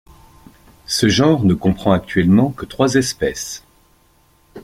Ce genre ne comprend actuellement que trois espèces.